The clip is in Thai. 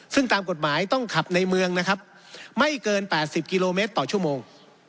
ซึ่งตามกฎหมายต้องขับในเมืองนะครับไม่เกิน๘๐กิโลเมตรต่อชั่วโมง